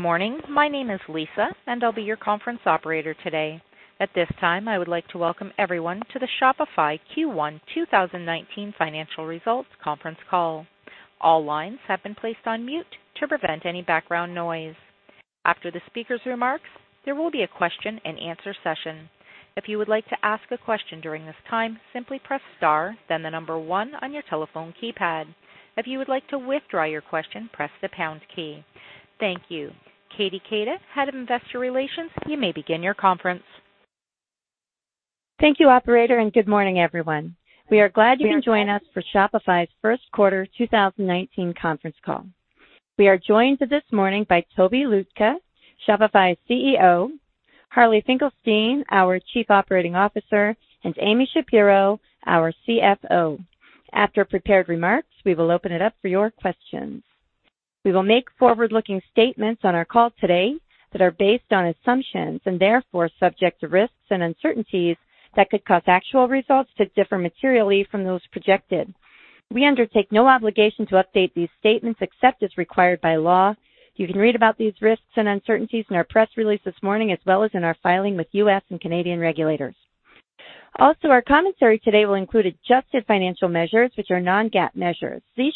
Morning. My name is Lisa. I'll be your conference operator today. At this time, I would like to welcome everyone to the Shopify Q1 2019 financial results conference call. All lines have been placed on mute to prevent any background noise. After the speaker's remarks, there will be a question and answer session. If you would like to ask a question during this time, simply press star then 1 on your telephone keypad. If you would like to withdraw your question, press the pound key. Thank you. Katie Keita, Head of Investor Relations, you may begin your conference. Thank you, operator, and good morning, everyone. We are glad you can join us for Shopify's 1st quarter 2019 conference call. We are joined this morning by Tobi Lütke, Shopify's CEO, Harley Finkelstein, our Chief Operating Officer, and Amy Shapero, our CFO. After prepared remarks, we will open it up for your questions. We will make forward-looking statements on our call today that are based on assumptions and therefore subject to risks and uncertainties that could cause actual results to differ materially from those projected. We undertake no obligation to update these statements except as required by law. You can read about these risks and uncertainties in our press release this morning, as well as in our filing with U.S. and Canadian regulators. Our commentary today will include adjusted financial measures which are non-GAAP measures. These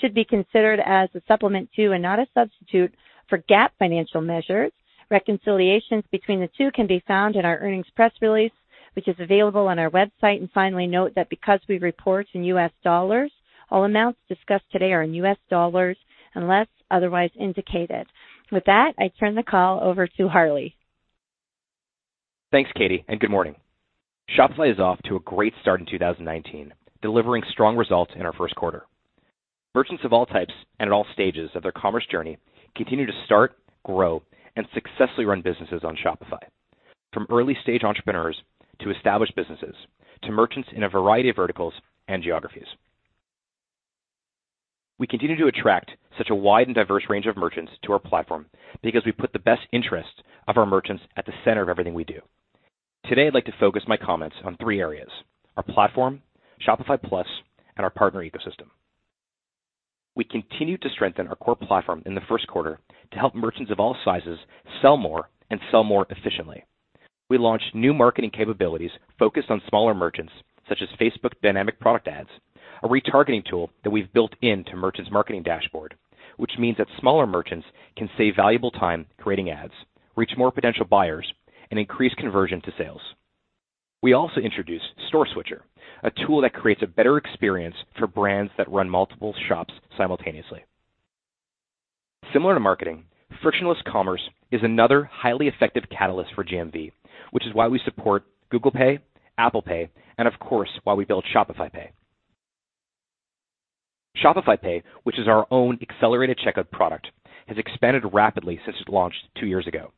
should be considered as a supplement to and not a substitute for GAAP financial measures. Reconciliations between the two can be found in our earnings press release, which is available on our website. Finally, note that because we report in U.S. dollars, all amounts discussed today are in U.S. dollars unless otherwise indicated. With that, I turn the call over to Harley. Thanks, Katie, and good morning. Shopify is off to a great start in 2019, delivering strong results in our first quarter. Merchants of all types and at all stages of their commerce journey continue to start, grow, and successfully run businesses on Shopify, from early-stage entrepreneurs to established businesses to merchants in a variety of verticals and geographies. We continue to attract such a wide and diverse range of merchants to our platform because we put the best interest of our merchants at the center of everything we do. Today, I'd like to focus my comments on three areas: Our platform, Shopify Plus, and our partner ecosystem. We continued to strengthen our core platform in the first quarter to help merchants of all sizes sell more and sell more efficiently. We launched new marketing capabilities focused on smaller merchants, such as Facebook Dynamic Product Ads, a retargeting tool that we've built into merchants' marketing dashboard, which means that smaller merchants can save valuable time creating ads, reach more potential buyers, and increase conversion to sales. We also introduced Store Switcher, a tool that creates a better experience for brands that run multiple shops simultaneously. Similar to marketing, frictionless commerce is another highly effective catalyst for GMV, which is why we support Google Pay, Apple Pay, and of course, why we built Shopify Pay. Shopify Pay, which is our own accelerated checkout product, has expanded rapidly since it launched two years ago.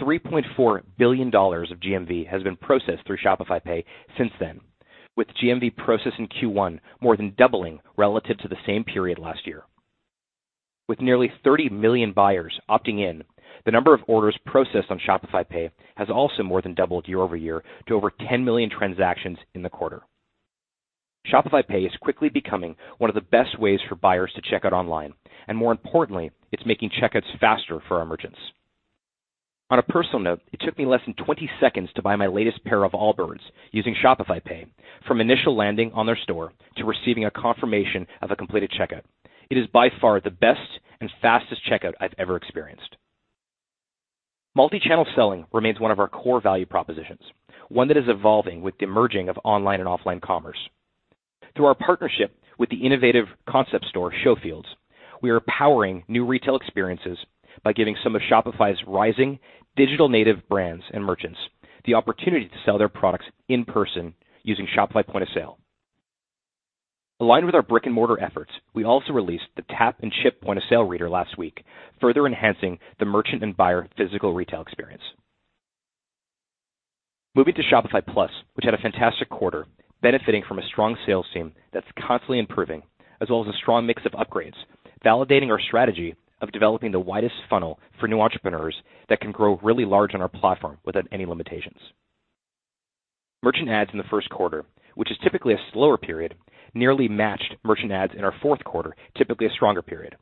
$3.4 billion of GMV has been processed through Shopify Pay since then, with GMV processed in Q1 more than doubling relative to the same period last year. With nearly 30 million buyers opting in, the number of orders processed on Shop Pay has also more than doubled year-over-year to over 10 million transactions in the quarter. Shop Pay is quickly becoming one of the best ways for buyers to check out online, and more importantly, it's making checkouts faster for our merchants. On a personal note, it took me less than 20 seconds to buy my latest pair of Allbirds using Shop Pay from initial landing on their store to receiving a confirmation of a completed checkout. It is by far the best and fastest checkout I've ever experienced. Multi-channel selling remains one of our core value propositions, one that is evolving with the emerging of online and offline commerce. Through our partnership with the innovative concept store Showfields, we are powering new retail experiences by giving some of Shopify's rising digital native brands and merchants the opportunity to sell their products in person using Shopify Point-of-Sale. Aligned with our brick-and-mortar efforts, we also released the tap-and-chip point-of-sale reader last week, further enhancing the merchant and buyer physical retail experience. Moving to Shopify Plus, which had a fantastic quarter, benefiting from a strong sales team that's constantly improving, as well as a strong mix of upgrades, validating our strategy of developing the widest funnel for new entrepreneurs that can grow really large on our platform without any limitations. Merchant adds in the first quarter, which is typically a slower period, nearly matched merchant adds in our fourth quarter, typically a stronger period.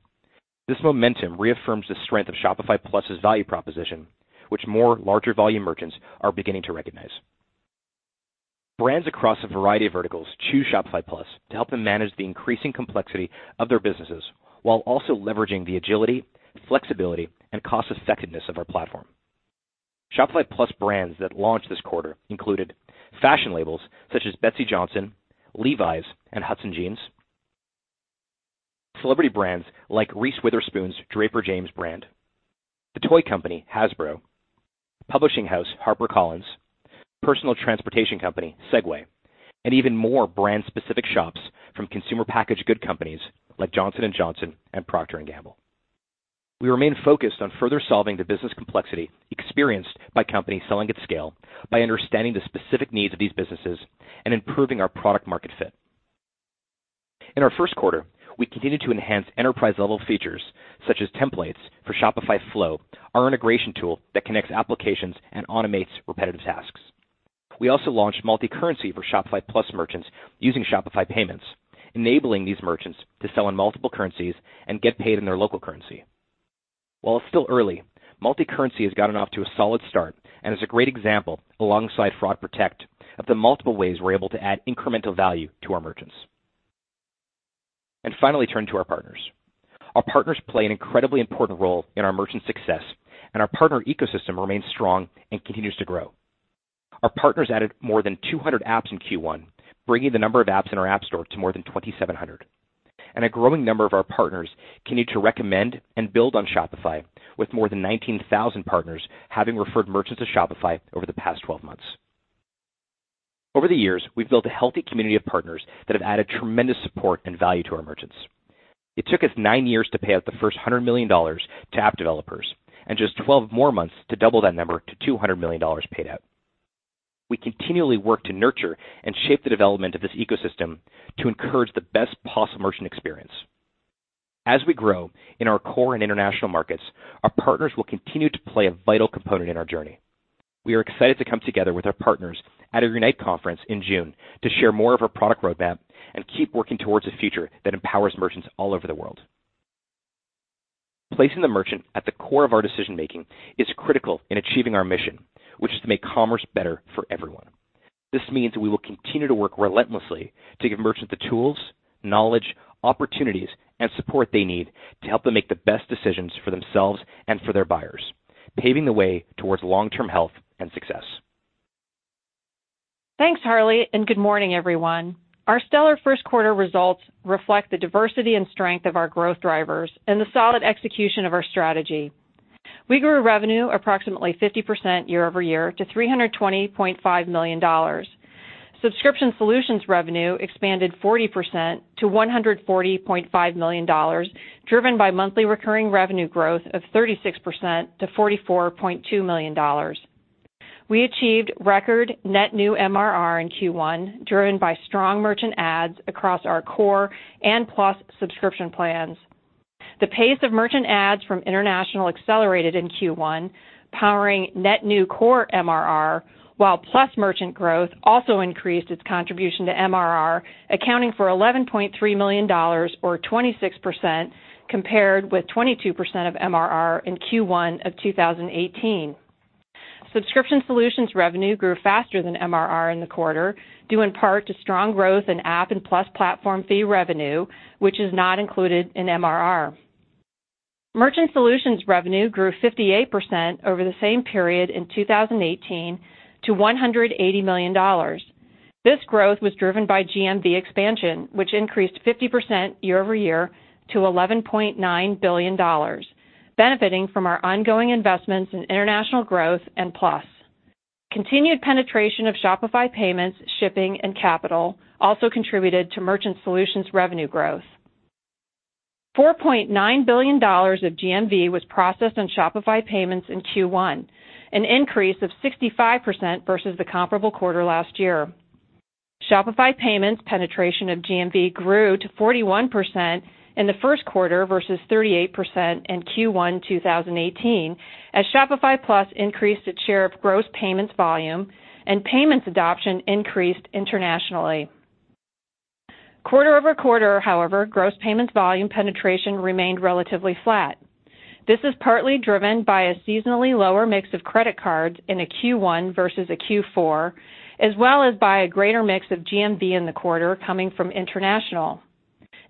This momentum reaffirms the strength of Shopify Plus' value proposition, which more larger volume merchants are beginning to recognize. Brands across a variety of verticals choose Shopify Plus to help them manage the increasing complexity of their businesses while also leveraging the agility, flexibility, and cost-effectiveness of our platform. Shopify Plus brands that launched this quarter included fashion labels such as Betsey Johnson, Levi's, and Hudson Jeans, celebrity brands like Reese Witherspoon's Draper James brand, the toy company Hasbro, publishing house HarperCollins, personal transportation company Segway, and even more brand-specific shops from consumer packaged good companies like Johnson & Johnson and Procter & Gamble. We remain focused on further solving the business complexity experienced by companies selling at scale by understanding the specific needs of these businesses and improving our product market fit. In our first quarter, we continued to enhance enterprise-level features such as templates for Shopify Flow, our integration tool that connects applications and automates repetitive tasks. We also launched multi-currency for Shopify Plus merchants using Shopify Payments, enabling these merchants to sell in multiple currencies and get paid in their local currency. While it's still early, multi-currency has gotten off to a solid start and is a great example, alongside Shopify Protect, of the multiple ways we're able to add incremental value to our merchants. Finally, turning to our partners. Our partners play an incredibly important role in our merchant success, and our partner ecosystem remains strong and continues to grow. Our partners added more than 200 apps in Q1, bringing the number of apps in our Shopify App Store to more than 2,700. A growing number of our partners continue to recommend and build on Shopify, with more than 19,000 partners having referred merchants to Shopify over the past 12 months. Over the years, we've built a healthy community of partners that have added tremendous support and value to our merchants. It took us nine years to pay out the first $100 million to app developers and just 12 more months to double that number to $200 million paid out. We continually work to nurture and shape the development of this ecosystem to encourage the best possible merchant experience. As we grow in our core and international markets, our partners will continue to play a vital component in our journey. We are excited to come together with our partners at our Unite conference in June to share more of our product roadmap and keep working towards a future that empowers merchants all over the world. Placing the merchant at the core of our decision-making is critical in achieving our mission, which is to make commerce better for everyone. This means we will continue to work relentlessly to give merchants the tools, knowledge, opportunities, and support they need to help them make the best decisions for themselves and for their buyers, paving the way towards long-term health and success. Thanks, Harley, and good morning, everyone. Our stellar first quarter results reflect the diversity and strength of our growth drivers and the solid execution of our strategy. We grew revenue approximately 50% year-over-year to $320.5 million. Subscription solutions revenue expanded 40% to $140.5 million, driven by monthly recurring revenue growth of 36% to $44.2 million. We achieved record net new MRR in Q1, driven by strong merchant ads across our core and Plus subscription plans. The pace of merchant ads from international accelerated in Q1, powering net new core MRR, while Plus merchant growth also increased its contribution to MRR, accounting for $11.3 million or 26% compared with 22% of MRR in Q1 of 2018. Subscription solutions revenue grew faster than MRR in the quarter, due in part to strong growth in app and Plus platform fee revenue, which is not included in MRR. Merchant Solutions revenue grew 58% over the same period in 2018 to $180 million. This growth was driven by GMV expansion, which increased 50% year-over-year to $11.9 billion, benefiting from our ongoing investments in international growth and Plus. Continued penetration of Shopify Payments, Shopify Shipping, and Shopify Capital also contributed to Merchant Solutions revenue growth. $4.9 billion of GMV was processed on Shopify Payments in Q1, an increase of 65% versus the comparable quarter last year. Shopify Payments penetration of GMV grew to 41% in the first quarter versus 38% in Q1 2018 as Shopify Plus increased its share of gross payments volume and payments adoption increased internationally. Quarter-over-quarter, however, gross payments volume penetration remained relatively flat. This is partly driven by a seasonally lower mix of credit cards in a Q1 versus a Q4, as well as by a greater mix of GMV in the quarter coming from international.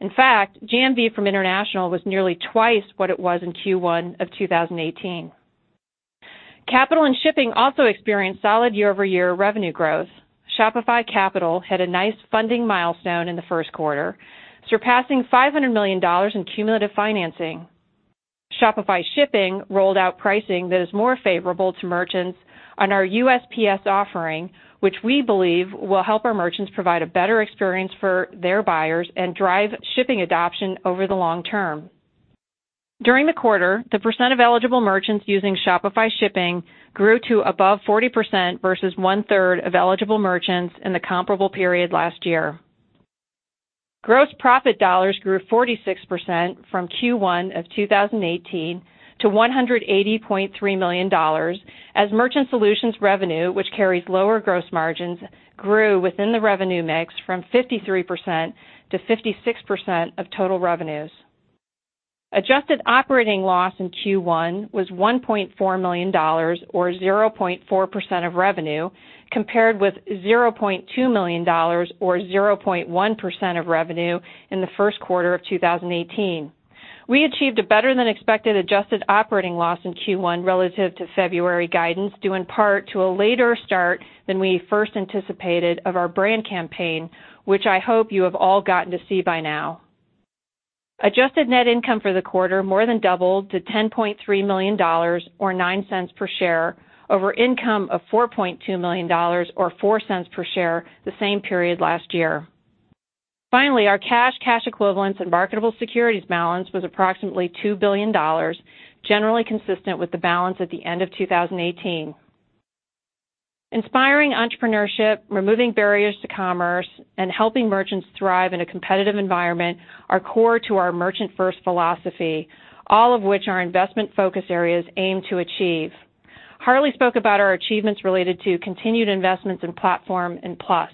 In fact, GMV from international was nearly twice what it was in Q1 of 2018. Capital and Shipping also experienced solid year-over-year revenue growth. Shopify Capital had a nice funding milestone in the first quarter, surpassing $500 million in cumulative financing. Shopify Shipping rolled out pricing that is more favorable to merchants on our USPS offering, which we believe will help our merchants provide a better experience for their buyers and drive shipping adoption over the long term. During the quarter, the percent of eligible merchants using Shopify Shipping grew to above 40% versus one-third of eligible merchants in the comparable period last year. Gross profit dollars grew 46% from Q1 of 2018 to $180.3 million as Merchant Solutions revenue, which carries lower gross margins, grew within the revenue mix from 53% to 56% of total revenues. Adjusted operating loss in Q1 was $1.4 million or 0.4% of revenue, compared with $0.2 million or 0.1% of revenue in the first quarter of 2018. We achieved a better-than-expected adjusted operating loss in Q1 relative to February guidance, due in part to a later start than we first anticipated of our brand campaign, which I hope you have all gotten to see by now. Adjusted net income for the quarter more than doubled to $10.3 million or $0.09 per share over income of $4.2 million or $0.04 per share the same period last year. Finally, our cash equivalents, and marketable securities balance was approximately $2 billion, generally consistent with the balance at the end of 2018. Inspiring entrepreneurship, removing barriers to commerce, and helping merchants thrive in a competitive environment are core to our merchant-first philosophy, all of which our investment focus areas aim to achieve. Harley spoke about our achievements related to continued investments in platform and Plus.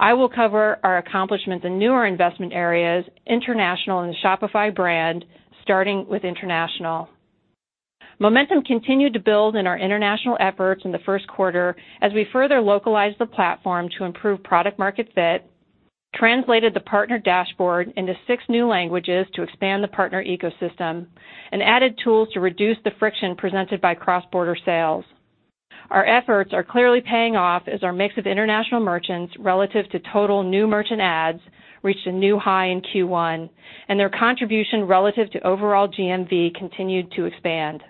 I will cover our accomplishments in newer investment areas, international and the Shopify brand, starting with international. Momentum continued to build in our international efforts in the first quarter as we further localized the platform to improve product market fit, translated the partner dashboard into six new languages to expand the partner ecosystem, and added tools to reduce the friction presented by cross-border sales. Our efforts are clearly paying off as our mix of international merchants relative to total new merchant adds reached a new high in Q1, and their contribution relative to overall GMV continued to expand.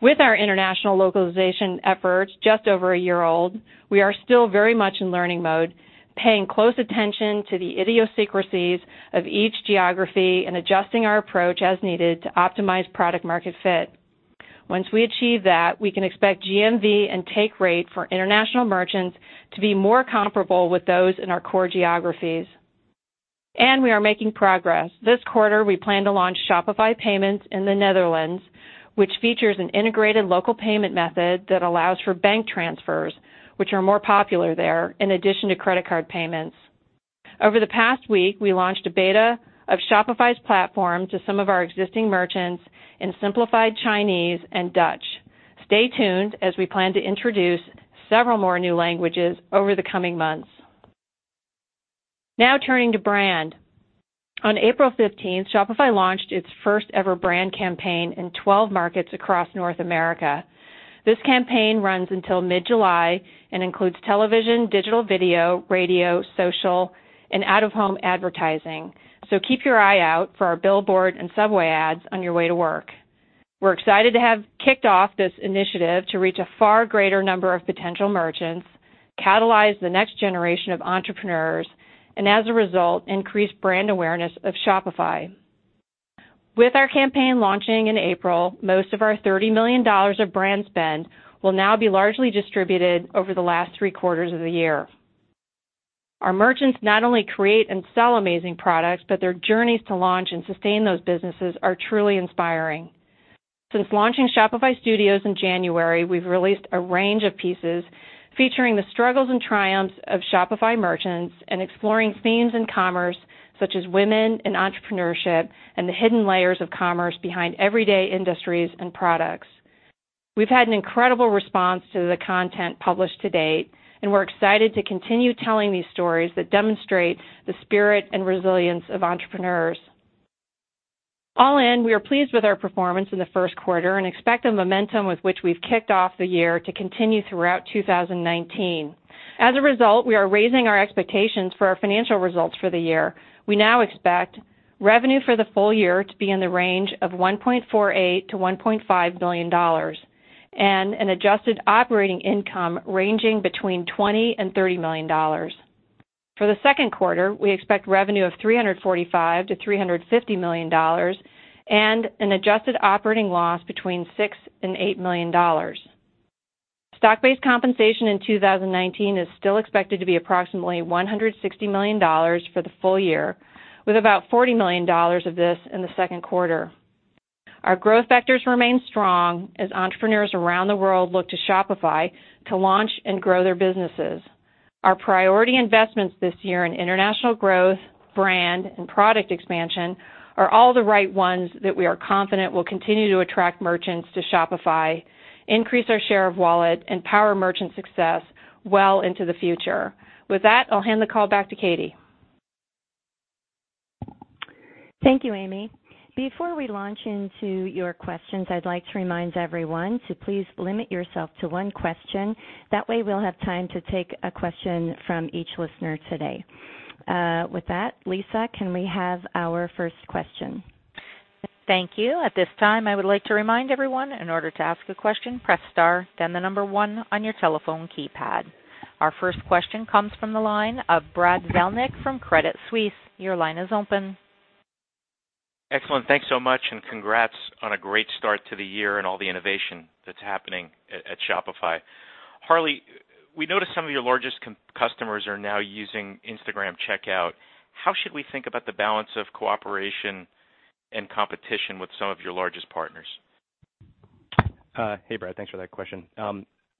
With our international localization efforts just over a year old, we are still very much in learning mode, paying close attention to the idiosyncrasies of each geography and adjusting our approach as needed to optimize product market fit. Once we achieve that, we can expect GMV and take rate for international merchants to be more comparable with those in our core geographies. We are making progress. This quarter, we plan to launch Shopify Payments in the Netherlands, which features an integrated local payment method that allows for bank transfers, which are more popular there, in addition to credit card payments. Over the past week, we launched a beta of Shopify's platform to some of our existing merchants in simplified Chinese and Dutch. Stay tuned as we plan to introduce several more new languages over the coming months. Turning to brand. On April 15th, Shopify launched its first ever brand campaign in 12 markets across North America. This campaign runs until mid-July and includes television, digital video, radio, social, and out-of-home advertising. Keep your eye out for our billboard and subway ads on your way to work. We're excited to have kicked off this initiative to reach a far greater number of potential merchants, catalyze the next generation of entrepreneurs, and as a result, increase brand awareness of Shopify. With our campaign launching in April, most of our $30 million of brand spend will now be largely distributed over the last three quarters of the year. Our merchants not only create and sell amazing products, but their journeys to launch and sustain those businesses are truly inspiring. Since launching Shopify Studios in January, we've released a range of pieces featuring the struggles and triumphs of Shopify merchants and exploring themes in commerce, such as women in entrepreneurship and the hidden layers of commerce behind everyday industries and products. We've had an incredible response to the content published to date, and we're excited to continue telling these stories that demonstrate the spirit and resilience of entrepreneurs. All in, we are pleased with our performance in the first quarter and expect the momentum with which we've kicked off the year to continue throughout 2019. As a result, we are raising our expectations for our financial results for the year. We now expect revenue for the full year to be in the range of $1.48 billion-$1.5 billion and an adjusted operating income ranging between $20 million and $30 million. For the second quarter, we expect revenue of $345 million-$350 million and an adjusted operating loss between $6 million and $8 million. Stock-based compensation in 2019 is still expected to be approximately $160 million for the full year, with about $40 million of this in the second quarter. Our growth vectors remain strong as entrepreneurs around the world look to Shopify to launch and grow their businesses. Our priority investments this year in international growth, brand, and product expansion are all the right ones that we are confident will continue to attract merchants to Shopify, increase our share of wallet, and power merchant success well into the future. With that, I'll hand the call back to Katie. Thank you, Amy. Before we launch into your questions, I'd like to remind everyone to please limit yourself to one question. That way, we'll have time to take a question from each listener today. With that, Lisa, can we have our first question? Thank you. At this time, I would like to remind everyone, in order to ask a question, press star then the number one on your telephone keypad. Our first question comes from the line of Brad Zelnick from Credit Suisse. Your line is open. Excellent. Thanks so much. Congrats on a great start to the year and all the innovation that's happening at Shopify. Harley, we noticed some of your largest customers are now using Instagram Shopping. How should we think about the balance of cooperation and competition with some of your largest partners? Hey, Brad, thanks for that question.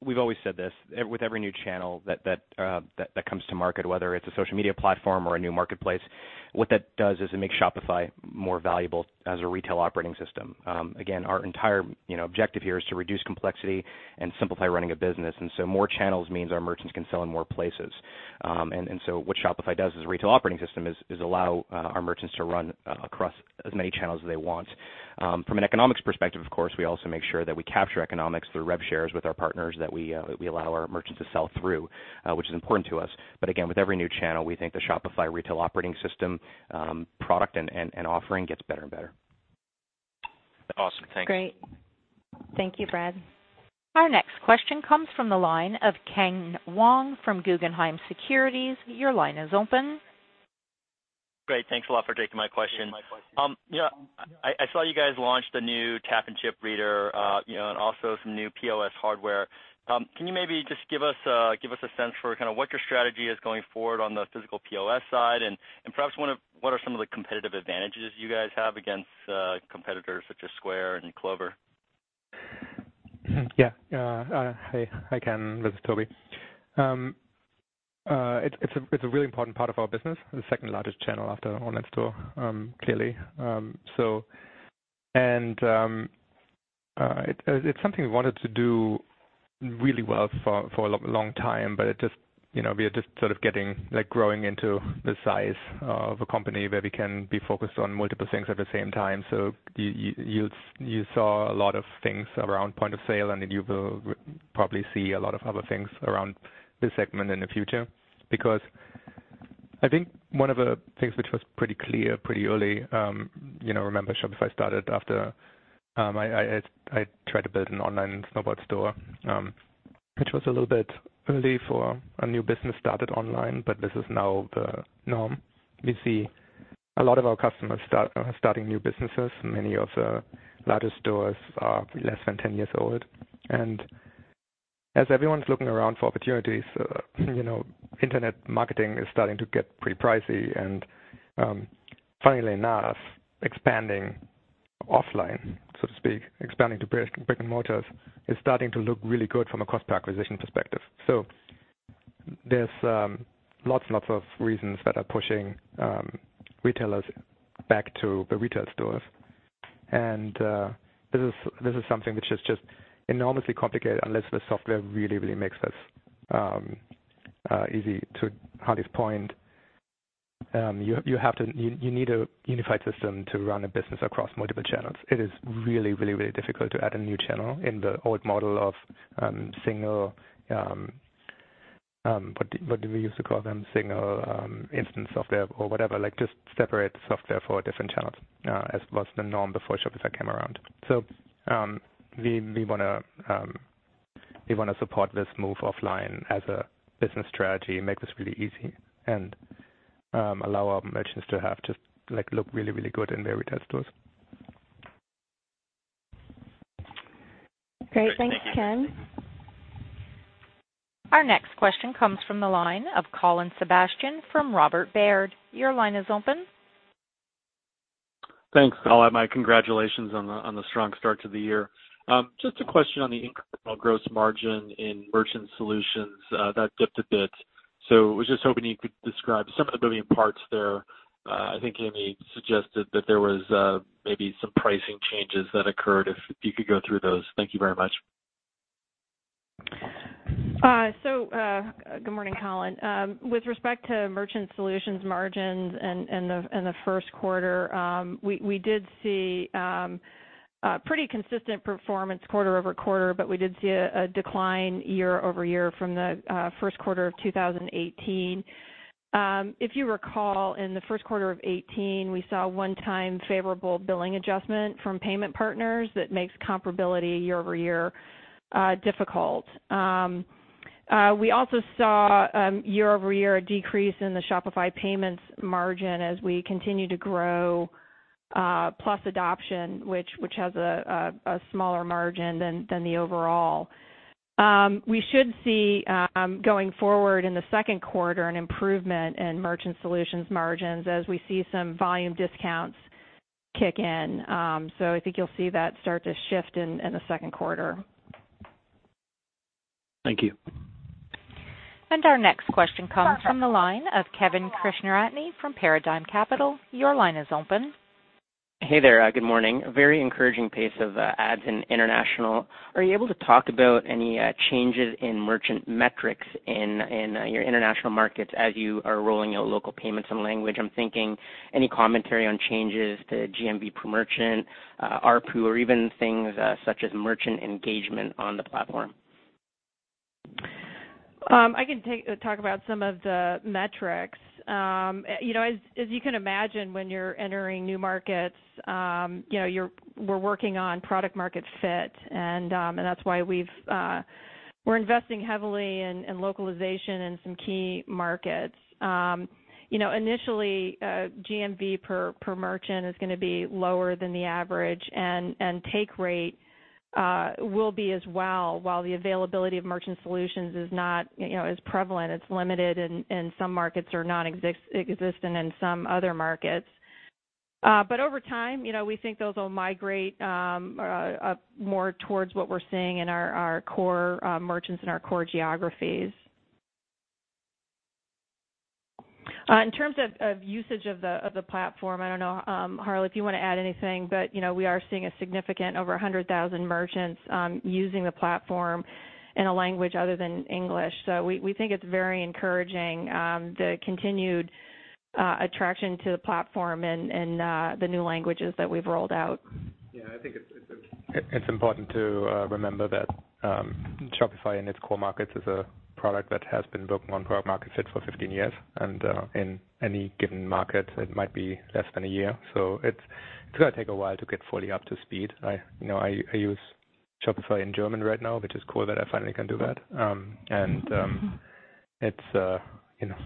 We've always said this. With every new channel that comes to market, whether it's a social media platform or a new marketplace, what that does is it makes Shopify more valuable as a retail operating system. Again, our entire, you know, objective here is to reduce complexity and simplify running a business, more channels means our merchants can sell in more places. What Shopify does as a retail operating system is allow our merchants to run across as many channels as they want. From an economics perspective, of course, we also make sure that we capture economics through rev shares with our partners that we allow our merchants to sell through, which is important to us. Again, with every new channel we think the Shopify retail operating system, product and offering gets better and better. Awesome. Thanks. Great. Thank you, Brad. Our next question comes from the line of Ken Wong from Guggenheim Securities. Your line is open. Great. Thanks a lot for taking my question. you know, I saw you guys launched the new tap-and-chip reader, you know, and also some new POS hardware. Can you maybe just give us a sense for kind of what your strategy is going forward on the physical POS side? Perhaps what are some of the competitive advantages you guys have against competitors such as Square and Clover? Yeah. Hi. Hi, Ken. This is Tobi. It's a really important part of our business, the second-largest channel after online store, clearly. It's something we wanted to do really well for a long, long time, but you know, we are growing into the size of a company where we can be focused on multiple things at the same time. You saw a lot of things around point of sale, and then you will probably see a lot of other things around this segment in the future. I think one of the things which was pretty clear pretty early, you know, remember Shopify started after, I, I tried to build an online snowboard store, which was a little bit early for a new business started online, but this is now the norm. We see a lot of our customers starting new businesses. Many of the largest stores are less than 10 years old. As everyone's looking around for opportunities, you know, internet marketing is starting to get pretty pricey. Finally now expanding offline, so to speak, expanding to brick and mortars is starting to look really good from a cost per acquisition perspective. There's lots and lots of reasons that are pushing retailers back to the retail stores. This is something which is just enormously complicated unless the software really, really makes this easy. To Harley's point, you need a unified system to run a business across multiple channels. It is really, really, really difficult to add a new channel in the old model of single instance software or whatever. Like, just separate software for different channels, as was the norm before Shopify came around. We wanna support this move offline as a business strategy, make this really easy, and allow our merchants to have just, like, look really, really good in their retail stores. Great. Thanks, Ken. Our next question comes from the line of Colin Sebastian from Robert Baird. Your line is open. Thanks. I'll add my congratulations on the strong start to the year. Just a question on the incremental gross margin in merchant solutions that dipped a bit. Was just hoping you could describe some of the moving parts there. I think Amy suggested that there was maybe some pricing changes that occurred, if you could go through those. Thank you very much. Good morning, Colin. With respect to merchant solutions margins and the first quarter, we did see a pretty consistent performance quarter-over-quarter, but we did see a decline year-over-year from the first quarter of 2018. If you recall, in the first quarter of 2018, we saw a one-time favorable billing adjustment from payment partners that makes comparability year-over-year difficult. We also saw year-over-year a decrease in the Shopify Payments margin as we continue to grow Shopify Plus adoption, which has a smaller margin than the overall. We should see going forward in the second quarter an improvement in merchant solutions margins as we see some volume discounts kick in. I think you'll see that start to shift in the second quarter. Thank you. Our next question comes from the line of Kevin Krishnaratne from Paradigm Capital. Your line is open. Hey there, good morning. Very encouraging pace of ads in international. Are you able to talk about any changes in merchant metrics in your international markets as you are rolling out local payments and language? I'm thinking any commentary on changes to GMV per merchant, ARPU, or even things such as merchant engagement on the platform? I can talk about some of the metrics. You know, as you can imagine, when you're entering new markets, you know, we're working on product market fit and that's why we've we're investing heavily in localization in some key markets. You know, initially, GMV per merchant is gonna be lower than the average, and take rate will be as well, while the availability of merchant solutions is not, you know, as prevalent. It's limited in some markets or nonexistent in some other markets. Over time, you know, we think those will migrate more towards what we're seeing in our core merchants and our core geographies. In terms of usage of the platform, I don't know, Harley, if you wanna add anything, but, you know, we are seeing a significant over 100,000 merchants using the platform in a language other than English. We think it's very encouraging, the continued attraction to the platform and the new languages that we've rolled out. Yeah. I think it's important to remember that Shopify in its core markets is a product that has been working on product market fit for 15 years. In any given market, it might be less than a year. It's gonna take a while to get fully up to speed. I, you know, I use Shopify in German right now, which is cool that I finally can do that. And it's, you know.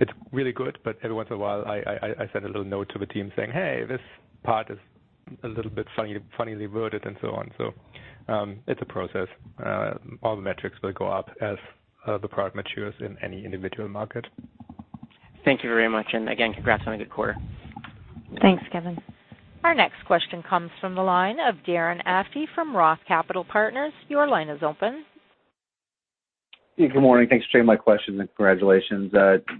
It's really good, but every once in a while, I send a little note to the team saying, "Hey, this part is a little bit funnily worded," and so on. It's a process. All the metrics will go up as the product matures in any individual market. Thank you very much. Again, congrats on a good quarter. Thanks, Kevin. Our next question comes from the line of Darren Aftahi from Roth Capital Partners. Your line is open. Yeah, good morning. Thanks for taking my questions, and congratulations.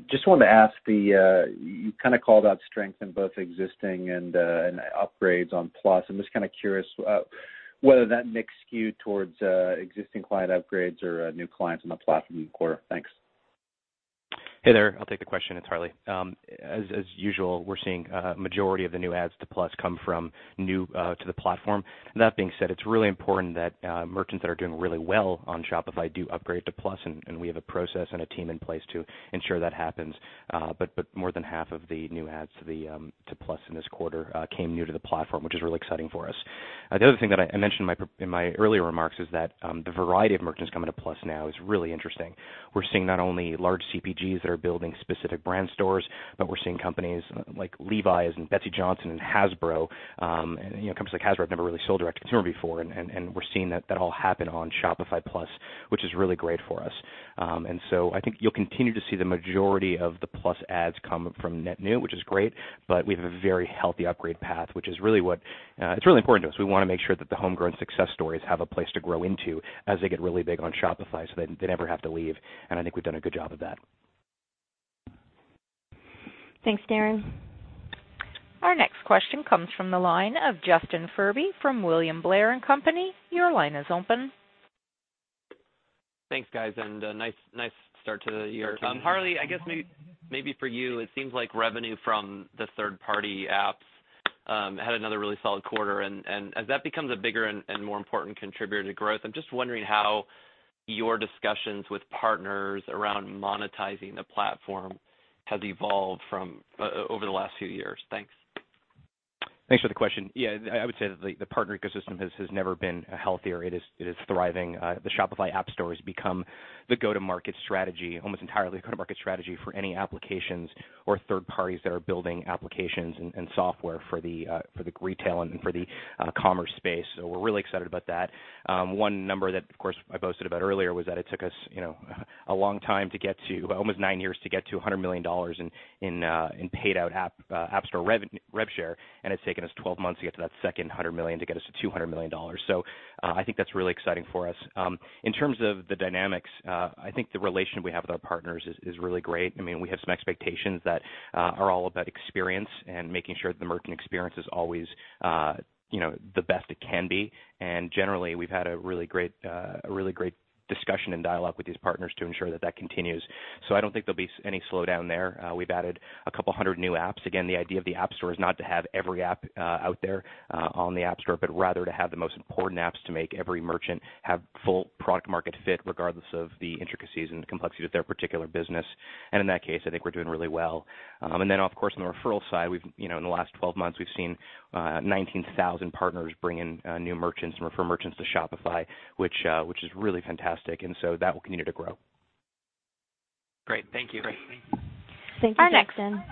Just wanted to ask, you kinda called out strength in both existing and upgrades on Plus. I'm just kinda curious whether that mix skewed towards existing client upgrades or new clients on the platform quarter. Thanks. Hey there. I'll take the question, it's Harley. As usual, we're seeing majority of the new ads to Plus come from new to the platform. That being said, it's really important that merchants that are doing really well on Shopify do upgrade to Plus, and we have a process and a team in place to ensure that happens. More than half of the new ads to the to Plus in this quarter came new to the platform, which is really exciting for us. The other thing that I mentioned in my earlier remarks is that the variety of merchants coming to Plus now is really interesting. We're seeing not only large CPGs that are building specific brand stores, but we're seeing companies like Levi's and Betsey Johnson and Hasbro, and, you know, companies like Hasbro have never really sold direct to consumer before. We're seeing that all happen on Shopify Plus, which is really great for us. I think you'll continue to see the majority of the Plus adds come from net new, which is great, but we have a very healthy upgrade path, which is really what, it's really important to us. We wanna make sure that the homegrown success stories have a place to grow into as they get really big on Shopify, so they never have to leave, and I think we've done a good job of that. Thanks, Darren. Our next question comes from the line of Justin Furby from William Blair & Company. Your line is open. Thanks, guys. Nice start to the year. Thank you. Harley, I guess maybe for you, it seems like revenue from the third-party apps had another really solid quarter. As that becomes a bigger and more important contributor to growth, I'm just wondering how your discussions with partners around monetizing the platform has evolved over the last few years. Thanks. Thanks for the question. I would say that the partner ecosystem has never been healthier. It is thriving. The Shopify App Store has become the go-to-market strategy, almost entirely the go-to-market strategy for any applications or third parties that are building applications and software for the retail and for the commerce space. We're really excited about that. One number that, of course, I boasted about earlier was that it took us, you know, a long time to get to, almost nine years to get to $100 million in paid out app rev share, and it's taken us 12 months to get to that second $100 million to get us to $200 million. I think that's really exciting for us. In terms of the dynamics, I think the relation we have with our partners is really great. I mean, we have some expectations that are all about experience and making sure that the merchant experience is always, you know, the best it can be. Generally, we've had a really great discussion and dialogue with these partners to ensure that that continues. I don't think there'll be any slowdown there. We've added a couple hundred new apps. Again, the idea of the App Store is not to have every app out there on the App Store, but rather to have the most important apps to make every merchant have full product market fit regardless of the intricacies and the complexity of their particular business. In that case, I think we're doing really well. Of course, on the referral side, we've, you know, in the last 12 months, we've seen 19,000 partners bring in new merchants and refer merchants to Shopify, which is really fantastic. That will continue to grow. Great. Thank you. Thank you, Justin.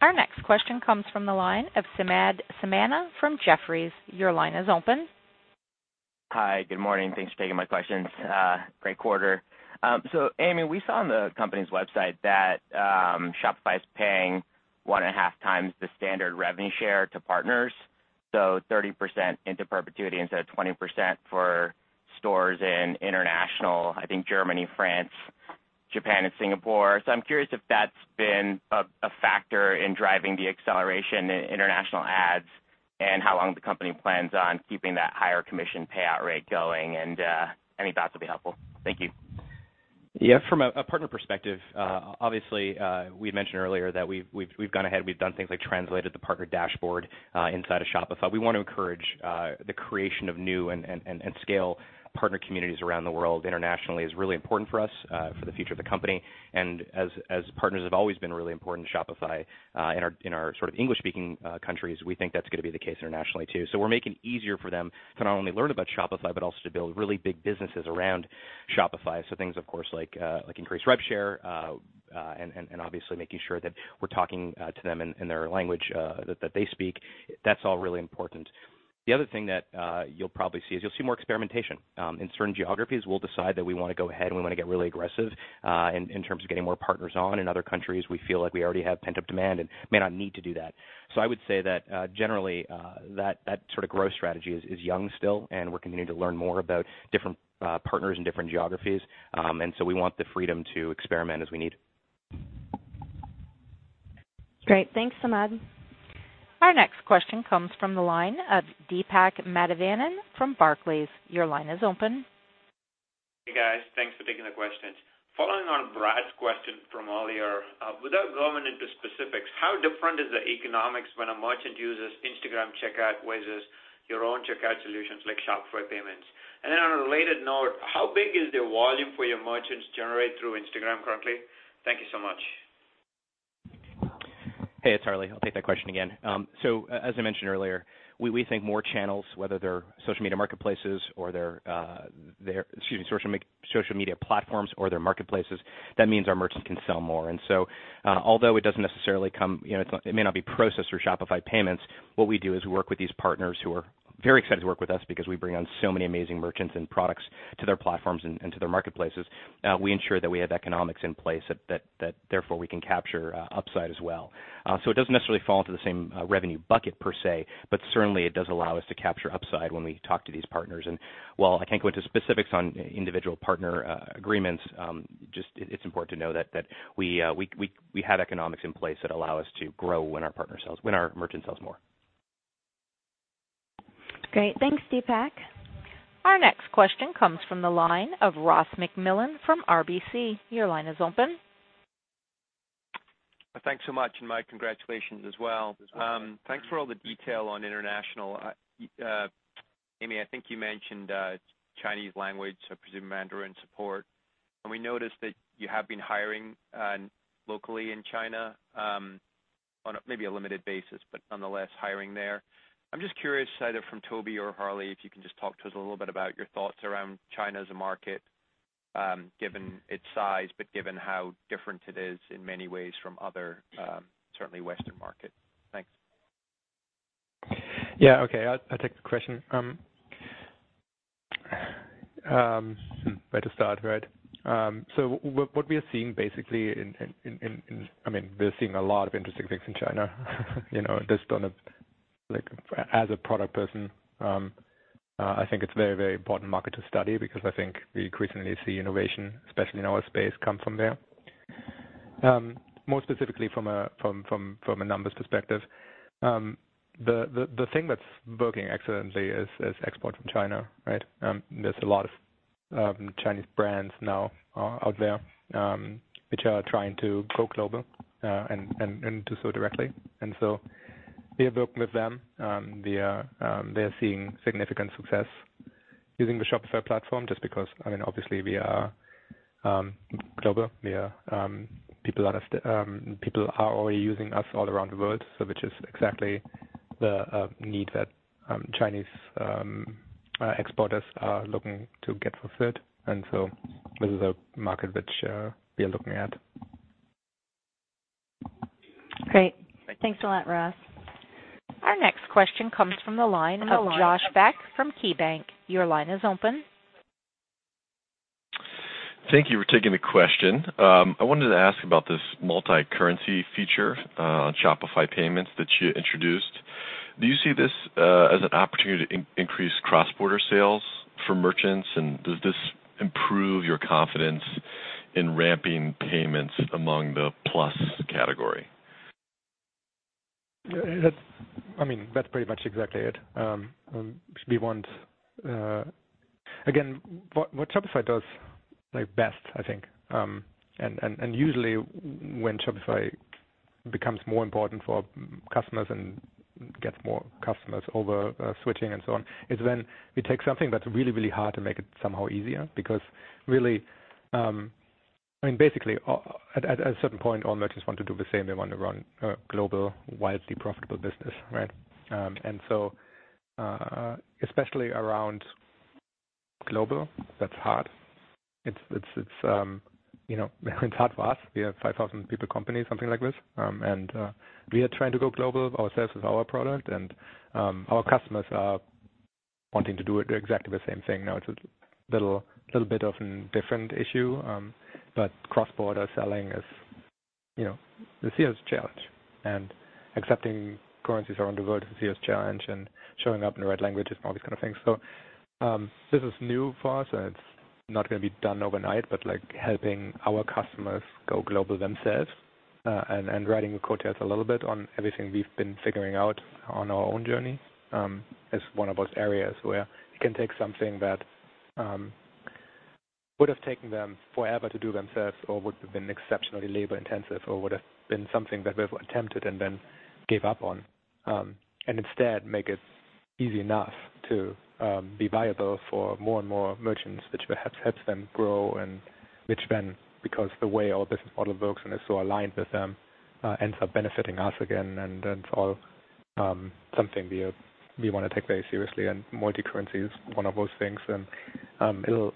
Our next question comes from the line of Samad Samana from Jefferies. Your line is open. Hi, good morning, thanks for taking my questions. Great quarter. Amy, we saw on the company's website that Shopify is paying one and a half times the standard revenue share to partners, 30% into perpetuity instead of 20% for stores in international, I think Germany, France, Japan and Singapore. I'm curious if that's been a factor in driving the acceleration in international adds and how long the company plans on keeping that higher commission payout rate going. Any thoughts will be helpful. Thank you. Yeah. From a partner perspective, obviously we had mentioned earlier that we've gone ahead, we've done things like translated the partner dashboard inside of Shopify. We want to encourage the creation of new and scale partner communities around the world. Internationally is really important for us for the future of the company. As partners have always been really important to Shopify in our sort of English-speaking countries, we think that's gonna be the case internationally too. We're making it easier for them to not only learn about Shopify, but also to build really big businesses around Shopify. Things, of course, like increased rev share, and obviously making sure that we're talking to them in their language that they speak. That's all really important. The other thing that you'll probably see is you'll see more experimentation. In certain geographies, we'll decide that we wanna go ahead and we wanna get really aggressive in terms of getting more partners on. In other countries, we feel like we already have pent-up demand and may not need to do that. I would say that generally that sort of growth strategy is young still, and we're continuing to learn more about different partners in different geographies. We want the freedom to experiment as we need. Great. Thanks, Samad. Our next question comes from the line of Deepak Mathivanan from Barclays. Your line is open. Hey, guys, thanks for taking the questions. Following on Brad's question from earlier, without going into specifics, how different is the economics when a merchant uses Instagram checkout versus your own checkout solutions like Shopify Payments? On a related note, how big is the volume for your merchants generated through Instagram currently? Thank you so much. Hey, it's Harley. I'll take that question again. As I mentioned earlier, we think more channels, whether they're social media marketplaces or they're, excuse me, social media platforms or they're marketplaces, that means our merchants can sell more. Although it doesn't necessarily come, you know, it's not, it may not be processed through Shopify Payments, what we do is work with these partners who are very excited to work with us because we bring on so many amazing merchants and products to their platforms and to their marketplaces. We ensure that we have economics in place that therefore we can capture upside as well. It doesn't necessarily fall into the same revenue bucket per se, but certainly it does allow us to capture upside when we talk to these partners. While I can't go into specifics on individual partner agreements, it's important to know that we have economics in place that allow us to grow when our partner sells, when our merchant sells more. Great. Thanks, Deepak. Our next question comes from the line of Ross MacMillan from RBC. Your line is open. Thanks so much, and my congratulations as well. Thanks for all the detail on international. Amy, I think you mentioned Chinese language, I presume Mandarin support. We noticed that you have been hiring locally in China on a, maybe a limited basis, but nonetheless hiring there. I'm just curious either from Tobi or Harley, if you can just talk to us a little bit about your thoughts around China as a market, given its size, but given how different it is in many ways from other, certainly Western markets. Thanks. Yeah, okay I'll take the question. Where to start, right? What we are seeing basically in I mean, we're seeing a lot of interesting things in China, you know. There's ton of, like, as a product person, I think it's very, very important market to study because I think we increasingly see innovation, especially in our space, come from there. More specifically from a numbers perspective, the thing that's working excellently is export from China, right? There's a lot of Chinese brands now out there which are trying to go global and do so directly. We have worked with them. They are seeing significant success using the Shopify platform just because, I mean, obviously we are global. People are already using us all around the world, which is exactly the need that Chinese exporters are looking to get fulfilled. This is a market which we are looking at. Great. Thanks a lot, Ross. Our next question comes from the line of Josh Beck from KeyBanc. Your line is open. Thank you for taking the question. I wanted to ask about this multi-currency feature, Shopify Payments that you introduced. Do you see this as an opportunity to increase cross-border sales for merchants? Does this improve your confidence in ramping payments among the Plus category? That's, I mean, that's pretty much exactly it. What Shopify does, like, best, I think, and usually when Shopify becomes more important for customers and gets more customers over switching and so on, is when we take something that's really, really hard to make it somehow easier. Really, I mean, basically, at a certain point, all merchants want to do the same. They want to run a global, wildly profitable business, right? Especially around global, that's hard. It's, you know, it's hard for us. We have 5,000 people company, something like this, and we are trying to go global ourselves with our product and our customers are wanting to do it exactly the same thing. It's a little bit of an different issue, cross-border selling is, you know, a serious challenge. Accepting currencies around the world is a serious challenge, showing up in the right language is always kind of thing. This is new for us, it's not gonna be done overnight. Like, helping our customers go global themselves, and writing the code tests a little bit on everything we've been figuring out on our own journey, is one of those areas where you can take something that would've taken them forever to do themselves or would've been exceptionally labor-intensive or would've been something that they've attempted and then gave up on. Instead make it easy enough to be viable for more and more merchants, which perhaps helps them grow and which then, because the way our business model works and is so aligned with them, ends up benefiting us again. That's all something we wanna take very seriously, and multi-currency is one of those things. It'll,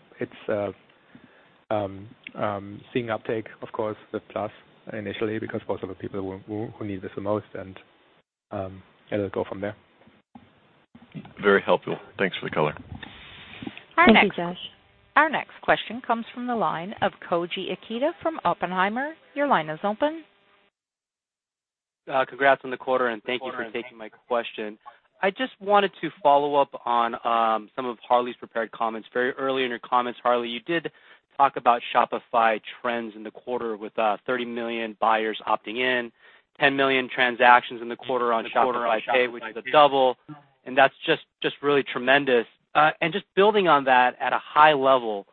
it's seeing uptake, of course, with plus, and initially because those are the people who need this the most, it'll go from there. Very helpful. Thanks for the color. Thank you, Josh. Our next question comes from the line of Koji Ikeda from Oppenheimer. Your line is open. Congrats on the quarter, and thank you for taking my question. I just wanted to follow up on some of Harley's prepared comments. Very early in your comments, Harley, you did talk about Shopify trends in the quarter with 30 million buyers opting in, 10 million transactions in the quarter on Shop Pay, which is a double. That's just really tremendous. Just building on that at a high level,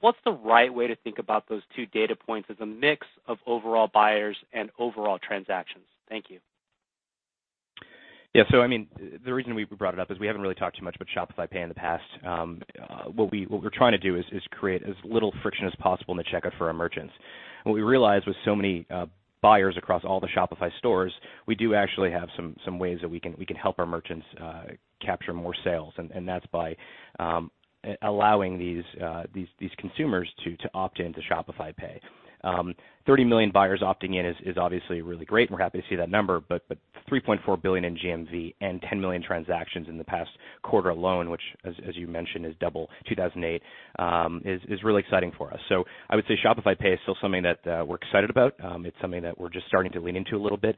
what's the right way to think about those two data points as a mix of overall buyers and overall transactions? Thank you. I mean, the reason we brought it up is we haven't really talked too much about Shop Pay in the past. What we're trying to do is create as little friction as possible in the checkout for our merchants. What we realized with so many buyers across all the Shopify stores, we do actually have some ways that we can help our merchants capture more sales. That's by allowing these consumers to opt into Shop Pay. 30 million buyers opting in is obviously really great, and we're happy to see that number. $3.4 billion in GMV and 10 million transactions in the past quarter alone, which as you mentioned, is double 2008, is really exciting for us. I would say Shop Pay is still something that we're excited about. It's something that we're just starting to lean into a little bit.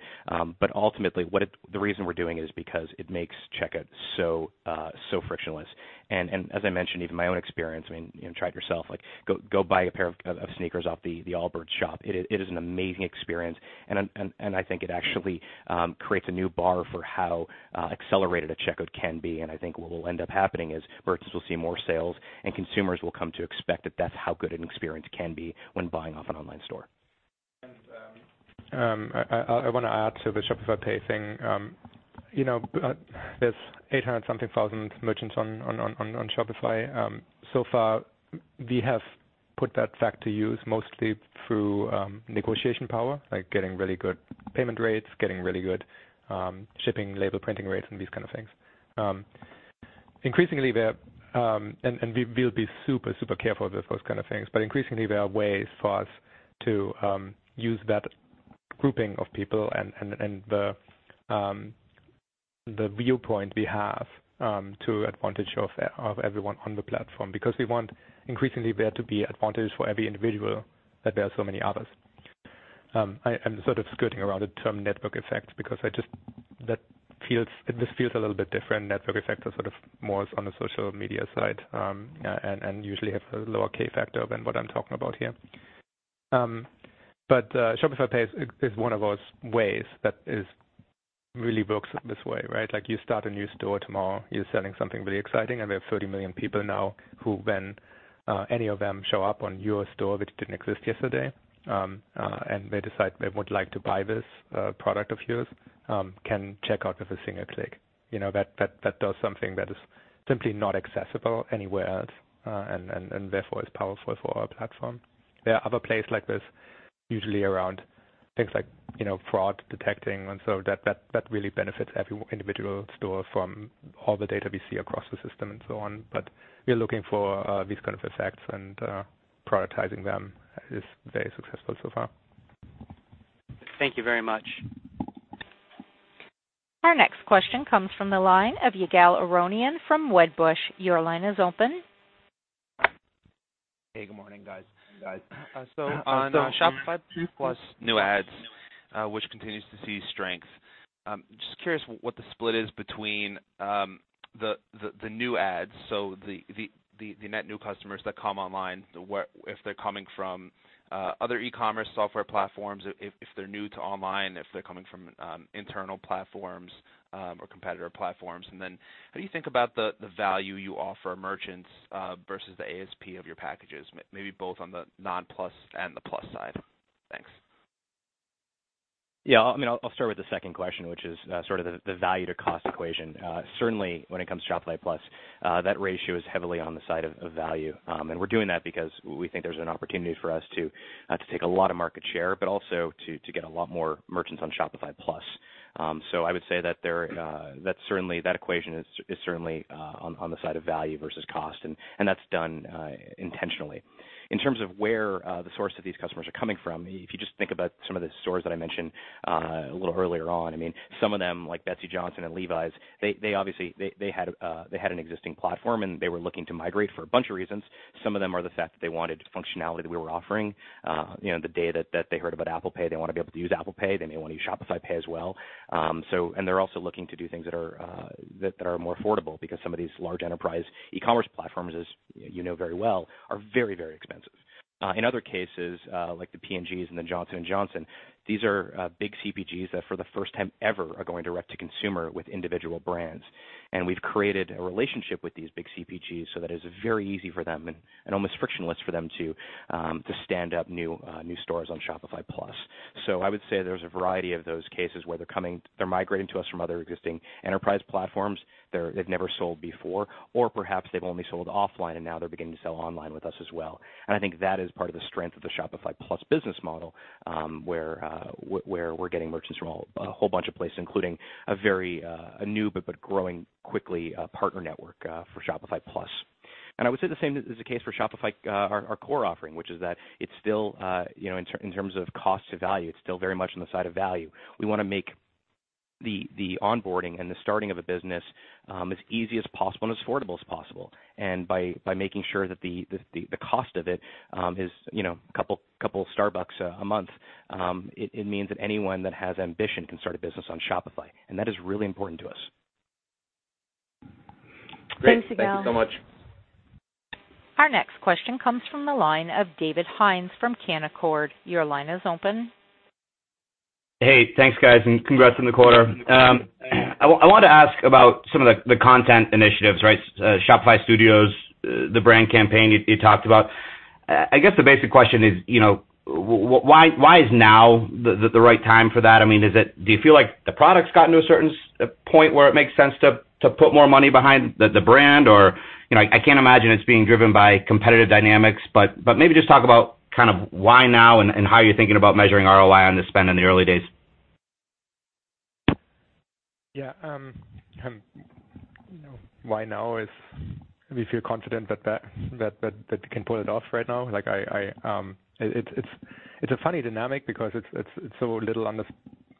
Ultimately, the reason we're doing it is because it makes checkout so frictionless. As I mentioned, even my own experience, I mean, you know, try it yourself. Like go buy a pair of sneakers off the Allbirds shop. It is an amazing experience. I think it actually creates a new bar for how accelerated a checkout can be. I think what will end up happening is merchants will see more sales and consumers will come to expect that that's how good an experience can be when buying off an online store. I want to add to the Shop Pay thing. You know, there's 800,000 merchants on Shopify. So far we have put that fact to use mostly through negotiation power, like getting really good payment rates, getting really good shipping label printing rates and these kind of things. Increasingly there. We will be super careful with those kind of things. Increasingly there are ways for us to use that grouping of people and the viewpoint we have to advantage of everyone on the platform, because we want increasingly there to be advantage for every individual that there are so many others. I am sort of skirting around the term network effect because this feels a little bit different. Network effect is sort of more on the social media side, and usually have a lower K factor than what I'm talking about here. Shop Pay is one of those ways that is really works this way, right? Like you start a new store tomorrow, you're selling something really exciting, and we have 30 million people now who, when any of them show up on your store, which didn't exist yesterday, and they decide they would like to buy this product of yours, can check out with a single click. You know, that does something that is simply not accessible anywhere else, and therefore is powerful for our platform. There are other places like this usually around things like, you know, fraud detecting and so that really benefits every individual store from all the data we see across the system and so on. We are looking for these kind of effects and prioritizing them is very successful so far. Thank you very much. Our next question comes from the line of Ygal Arounian from Wedbush. Your line is open. Hey, good morning, guys. On Shopify Plus new ads, which continues to see strength, just curious what the split is between the new ads. The net new customers that come online, if they're coming from other e-commerce software platforms, if they're new to online, if they're coming from internal platforms or competitor platforms. How do you think about the value you offer merchants versus the ASP of your packages? Maybe both on the non-Plus and the Plus side. Thanks. Yeah, I mean, I'll start with the second question, which is, sort of the value to cost equation. Certainly when it comes to Shopify Plus, that ratio is heavily on the side of value. We're doing that because we think there's an opportunity for us to take a lot of market share, but also to get a lot more merchants on Shopify Plus. I would say that there, that certainly, that equation is certainly, on the side of value versus cost and that's done, intentionally. In terms of where, the source of these customers are coming from, if you just think about some of the stores that I mentioned, a little earlier on. Some of them, like Betsey Johnson and Levi's, they obviously, they had an existing platform and they were looking to migrate for a bunch of reasons. Some of them are the fact that they wanted functionality that we were offering. The day that they heard about Apple Pay, they wanna be able to use Apple Pay, they may wanna use Shop Pay as well. And they're also looking to do things that are more affordable because some of these large enterprise e-commerce platforms, as you know very well, are very, very expensive. In other cases, like the P&Gs and the Johnson & Johnson, these are big CPGs that for the first time ever are going direct to consumer with individual brands. We've created a relationship with these big CPGs so that it's very easy for them and almost frictionless for them to stand up new stores on Shopify Plus. I would say there's a variety of those cases where they're coming, they're migrating to us from other existing enterprise platforms. They've never sold before, or perhaps they've only sold offline and now they're beginning to sell online with us as well. I think that is part of the strength of the Shopify Plus business model, where we're getting merchants from a whole bunch of places, including a very new but growing quickly partner network for Shopify Plus. I would say the same is the case for Shopify, our core offering, which is that it's still, you know, in terms of cost to value, it's still very much on the side of value. We wanna make the onboarding and the starting of a business as easy as possible and as affordable as possible. By making sure that the cost of it is, you know, couple Starbucks a month, it means that anyone that has ambition can start a business on Shopify, and that is really important to us. Great. Thank you so much. Our next question comes from the line of David Hynes from Canaccord. Your line is open. Hey, thanks, guys, and congrats on the quarter. I wanted to ask about some of the content initiatives, right? Shopify Studios, the brand campaign you talked about. I guess the basic question is, you know, why is now the right time for that? I mean, do you feel like the product's gotten to a certain point where it makes sense to put more money behind the brand? Or, you know, I can't imagine it's being driven by competitive dynamics. But maybe just talk about kind of why now and how you're thinking about measuring ROI on the spend in the early days. Yeah. You know, why now is we feel confident that can pull it off right now. Like I It's a funny dynamic because it's so little under,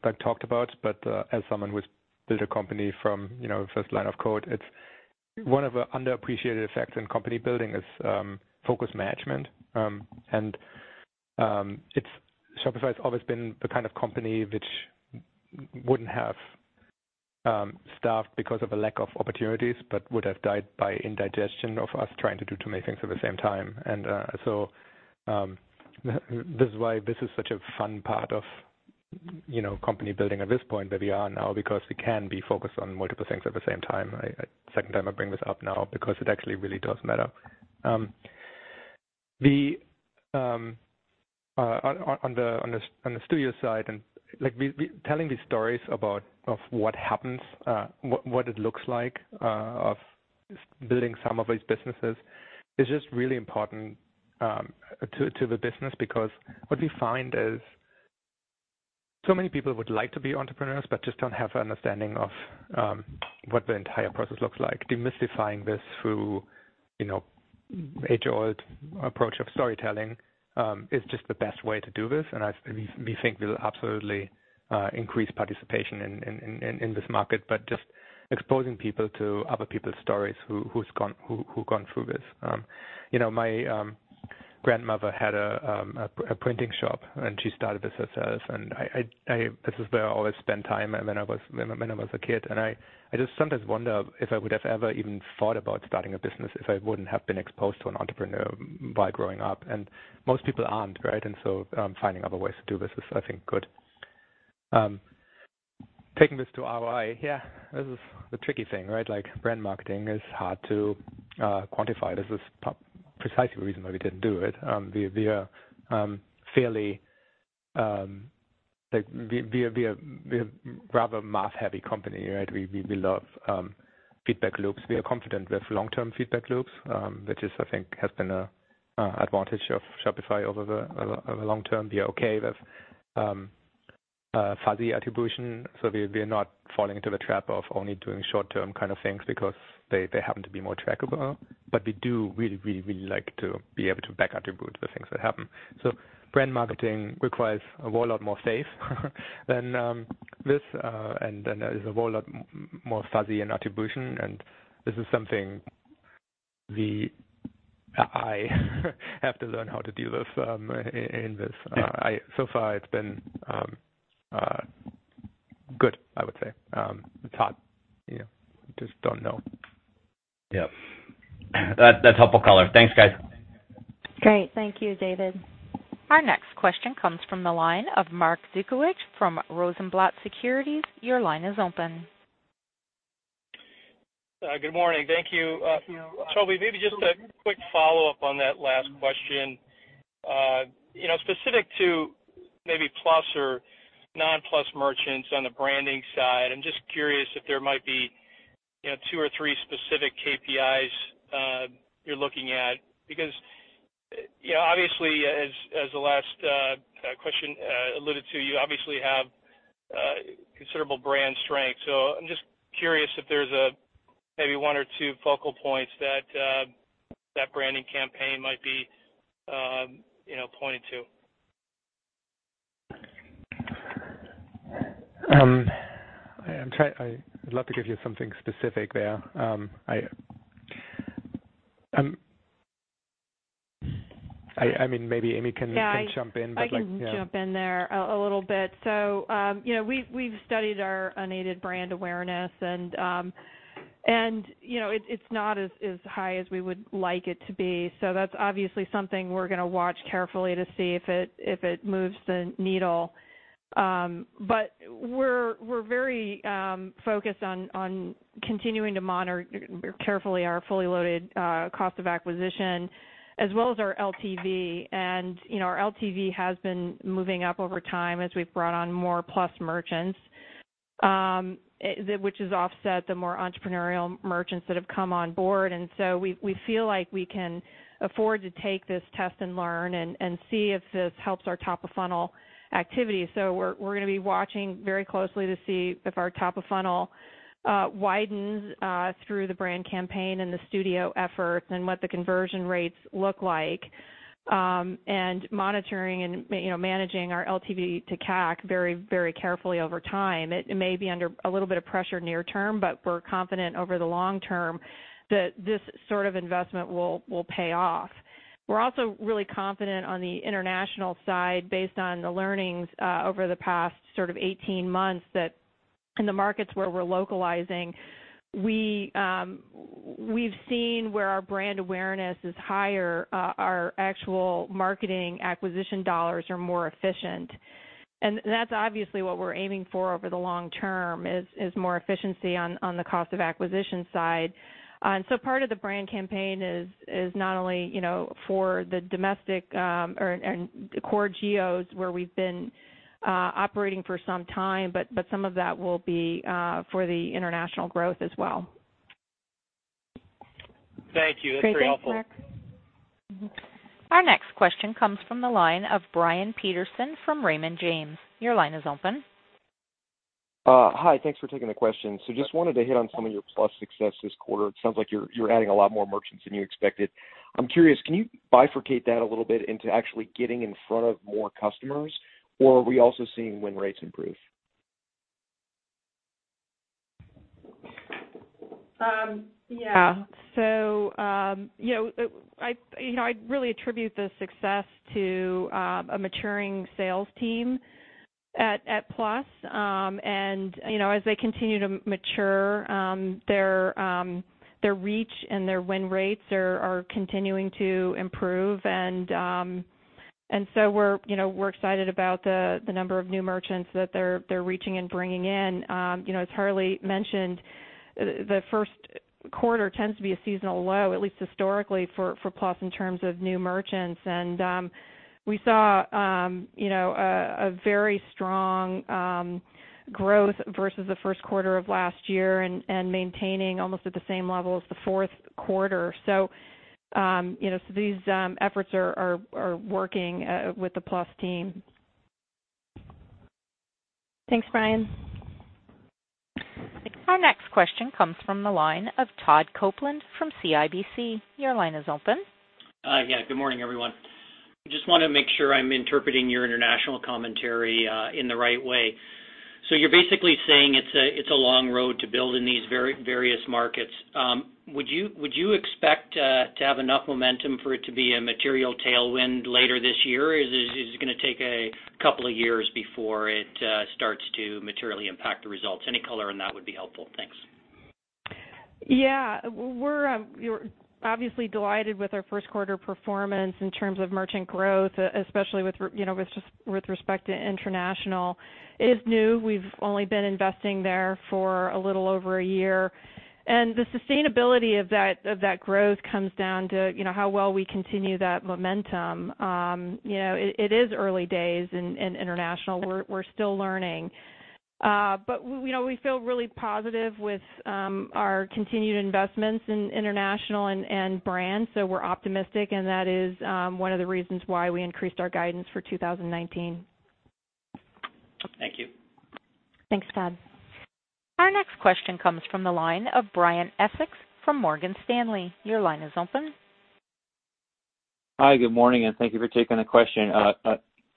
like, talked about, but as someone who's built a company from, you know, first line of code, it's one of the underappreciated effects in company building is focus management. Shopify's always been the kind of company which wouldn't have staffed because of a lack of opportunities, but would have died by indigestion of us trying to do too many things at the same time. This is why this is such a fun part of, you know, company building at this point where we are now because we can be focused on multiple things at the same time. I second time I bring this up now because it actually really does matter. On the studio side and like, we telling these stories about, of what happens, what it looks like, of building some of these businesses is just really important to the business because what we find is so many people would like to be entrepreneurs, but just don't have an understanding of what the entire process looks like. Demystifying this through, you know, age-old approach of storytelling, is just the best way to do this. We think will absolutely increase participation in this market, but just exposing people to other people's stories who've gone through this. You know, my grandmother had a printing shop, and she started a success. This is where I always spend time when I was a kid, and I just sometimes wonder if I would have ever even thought about starting a business if I wouldn't have been exposed to an entrepreneur by growing up. Most people aren't, right? Finding other ways to do this is, I think, good. Taking this to ROI, yeah, this is the tricky thing, right? Like, brand marketing is hard to quantify. This is precisely the reason why we didn't do it. We are fairly, like we are, we're rather math-heavy company, right? We love feedback loops. We are confident with long-term feedback loops, which is, I think, has been a advantage of Shopify over the long term. We are okay with fuzzy attribution. We are not falling into the trap of only doing short-term kind of things because they happen to be more trackable. We do really like to be able to back attribute the things that happen. Brand marketing requires a whole lot more faith than this, and then there's a whole lot more fuzzy in attribution, and this is something I have to learn how to deal with in this. Yeah. So far it's been good, I would say. It's hard, you know. Just don't know. Yeah. That's helpful color. Thanks, guys. Great. Thank you, David. Our next question comes from the line of Mark Zgutowicz from Rosenblatt Securities. Your line is open. Good morning. Thank you. Thank you. Tobi, maybe just a quick follow-up on that last question. You know, specific to maybe Plus or non-Plus merchants on the branding side, I'm just curious if there might be, you know, two or three specific KPIs you're looking at. You know, obviously, as the last question alluded to, you obviously have considerable brand strength. I'm just curious if there's maybe one or two focal points that branding campaign might be, you know, pointed to. I'd love to give you something specific there. I mean, maybe Amy can. Yeah Can jump in. Yeah I can Jump in there a little bit. you know, we've studied our unaided brand awareness and you know, it's not as high as we would like it to be. That's obviously something we're gonna watch carefully to see if it moves the needle. We're very focused on continuing to monitor carefully our fully loaded cost of acquisition, as well as our LTV. you know, our LTV has been moving up over time as we've brought on more Plus merchants, which has offset the more entrepreneurial merchants that have come on board. We feel like we can afford to take this test and learn and see if this helps our top-of-funnel activity. We're going to be watching very closely to see if our top of funnel widens through the brand campaign and the studio efforts and what the conversion rates look like, and monitoring and, you know, managing our LTV to CAC very, very carefully over time. It may be under a little bit of pressure near term, we're confident over the long term that this sort of investment will pay off. We're also really confident on the international side based on the learnings over the past sort of 18 months, that in the markets where we're localizing, we've seen where our brand awareness is higher, our actual marketing acquisition dollars are more efficient. That's obviously what we're aiming for over the long term is more efficiency on the cost of acquisition side. Part of the brand campaign is not only, you know, for the domestic, and the core geos where we've been operating for some time, some of that will be for the international growth as well. Thank you. That's very helpful. Great, thanks, Mark. Our next question comes from the line of Brian Peterson from Raymond James. Your line is open. Hi. Thanks for taking the question. Just wanted to hit on some of your Plus success this quarter. It sounds like you're adding a lot more merchants than you expected. I'm curious, can you bifurcate that a little bit into actually getting in front of more customers, or are we also seeing win rates improve? You know, I, you know, I'd really attribute the success to a maturing sales team at Plus. You know, as they continue to mature, their reach and their win rates are continuing to improve. We're, you know, we're excited about the number of new merchants that they're reaching and bringing in. You know, as Harley mentioned, the first quarter tends to be a seasonal low, at least historically, for Plus in terms of new merchants. We saw, you know, a very strong growth versus the 1st quarter of last year and maintaining almost at the same level as the fouth quarter. You know, these efforts are working with the Plus team. Thanks, Brian. Our next question comes from the line of Todd Coupland from CIBC. Your line is open. Yeah, good morning, everyone. Just wanna make sure I'm interpreting your international commentary in the right way. You're basically saying it's a, it's a long road to build in these various markets. Would you expect to have enough momentum for it to be a material tailwind later this year? Is it gonna take a couple of years before it starts to materially impact the results? Any color on that would be helpful. Thanks. We're obviously delighted with our first quarter performance in terms of merchant growth, especially with you know, with just with respect to international. It is new. We've only been investing there for a little over a year. The sustainability of that growth comes down to, you know, how well we continue that momentum. You know, it is early days in international. We're still learning. You know, we feel really positive with our continued investments in international and brand, so we're optimistic, and that is one of the reasons why we increased our guidance for 2019. Thank you. Thanks, Todd. Our next question comes from the line of Brian Essex from Morgan Stanley. Your line is open. Hi, good morning, and thank you for taking the question.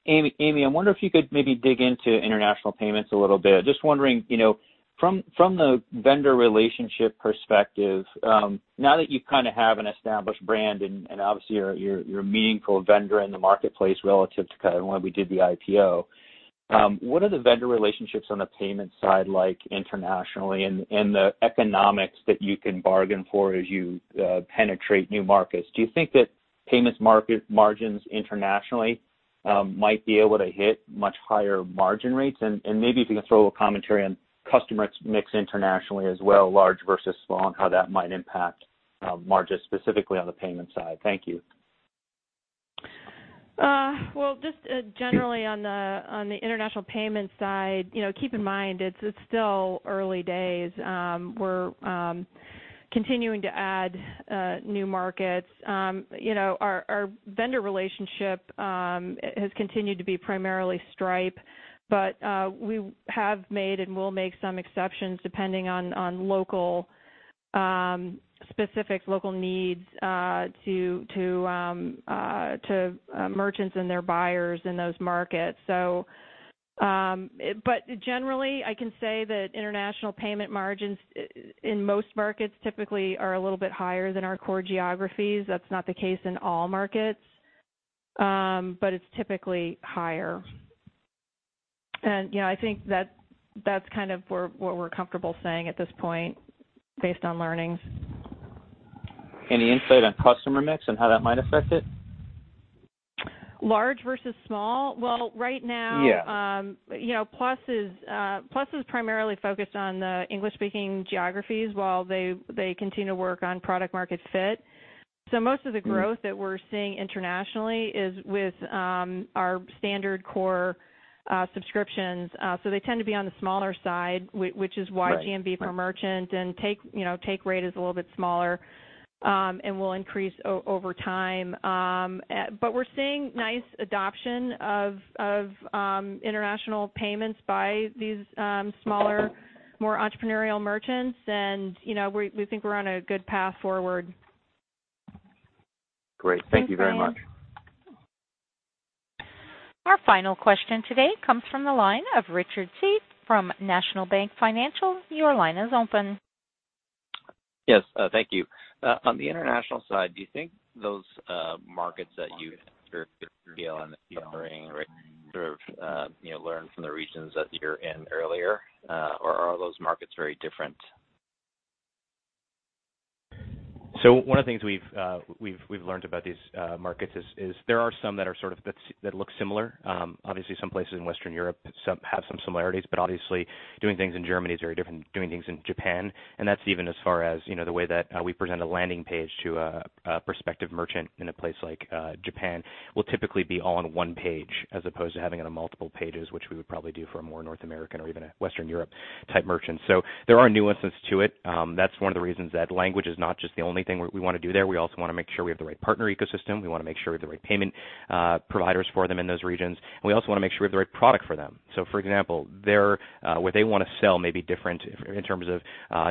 Amy, I wonder if you could maybe dig into international payments a little bit. Just wondering, you know, from the vendor relationship perspective, now that you kinda have an established brand and obviously you're a meaningful vendor in the marketplace relative to kinda when we did the IPO, what are the vendor relationships on the payment side like internationally and the economics that you can bargain for as you penetrate new markets? Do you think that payments market margins internationally might be able to hit much higher margin rates? Maybe if you can throw a commentary on customer mix internationally as well, large versus small, and how that might impact margins specifically on the payment side. Thank you. Well, just generally on the international payment side, you know, keep in mind it's still early days. We're continuing to add new markets. You know, our vendor relationship has continued to be primarily Stripe, but we have made and will make some exceptions depending on specific local needs to merchants and their buyers in those markets. But generally, I can say that international payment margins in most markets typically are a little bit higher than our core geographies. That's not the case in all markets, but it's typically higher. You know, I think that's kind of where what we're comfortable saying at this point based on learnings. Any insight on customer mix and how that might affect it? Large versus small? Well, right now- Yeah You know, Plus is primarily focused on the English-speaking geographies while they continue to work on product market fit. Most of the growth that we're seeing internationally is with our standard core subscriptions. They tend to be on the smaller side, which is why. Right GMV per merchant and take, you know, take rate is a little bit smaller, and will increase over time. We're seeing nice adoption of international payments by these smaller, more entrepreneurial merchants and, you know, we think we're on a good path forward. Great. Thank you very much. Thanks, Brian. Our final question today comes from the line of Richard Tse from National Bank Financial. Your line is open. Yes. Thank you. On the international side, do you think those markets that you sort of, you know, learn from the regions that you're in earlier, or are those markets very different? One of the things we've learned about these markets is there are some that are sort of that look similar. Obviously some places in Western Europe, some have some similarities, but obviously doing things in Germany is very different than doing things in Japan, and that's even as far as, you know, the way that we present a landing page to a prospective merchant in a place like Japan will typically be all on one page as opposed to having it on multiple pages, which we would probably do for a more North American or even a Western Europe type merchant. There are nuances to it. That's one of the reasons that language is not just the only thing we wanna do there. We also wanna make sure we have the right partner ecosystem. We wanna make sure we have the right payment providers for them in those regions. We also wanna make sure we have the right product for them. For example, their what they wanna sell may be different in terms of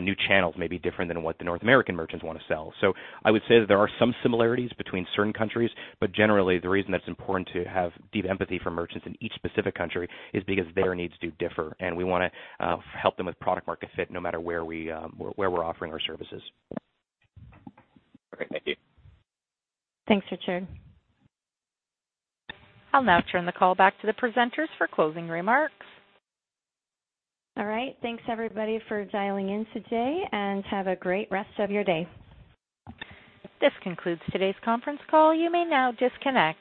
new channels may be different than what the North American merchants wanna sell. I would say that there are some similarities between certain countries. Generally, the reason it's important to have deep empathy for merchants in each specific country is because their needs do differ, and we wanna help them with product market fit no matter where we where we're offering our services. Great. Thank you. Thanks, Richard. I'll now turn the call back to the presenters for closing remarks. All right. Thanks everybody for dialing in today, and have a great rest of your day. This concludes today's conference call. You may now disconnect.